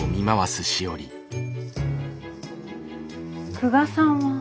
久我さんは？